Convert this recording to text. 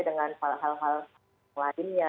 dengan hal hal lainnya